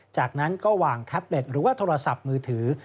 จากนั้นก็วางแท็บเล็ตหรือว่าโทรศัพท์มือถือ